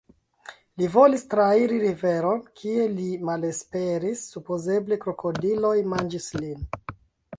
Li volis trairi riveron, kie li malaperis, supozeble krokodiloj manĝis lin.